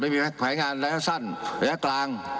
ไม่มีแผนงานระยะสั้นระยะกลาง